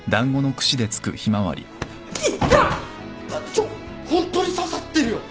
ちょホントに刺さってるよ。